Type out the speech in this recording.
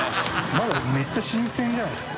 まだめっちゃ新鮮じゃないですか。